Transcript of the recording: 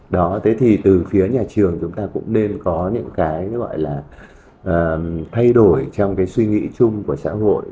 đó thế thì từ phía nhà trường chúng ta cũng nên có những cái gọi là thay đổi trong cái suy nghĩ chung của xã hội